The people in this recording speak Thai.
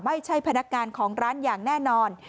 พนักงานของร้านอย่างแน่นอน